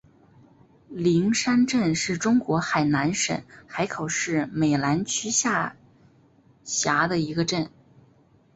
灵山镇是中国海南省海口市美兰区下辖的一个镇。